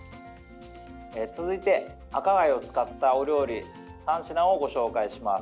続いて、赤貝を使ったお料理３品をご紹介します。